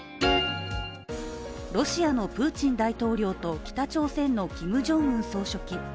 ロシアのプーチン大統領と北朝鮮のキム・ジョンウン総書記。